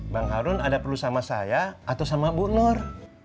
bang harun ada perlu sama saya atau sama bu nur